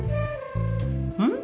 うん？